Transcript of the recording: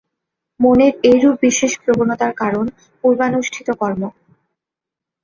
মনের এরূপ বিশেষ প্রবণতার কারণ পূর্বানুষ্ঠিত কর্ম।